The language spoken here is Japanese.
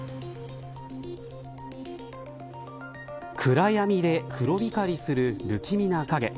暗闇で黒光りする不気味な影。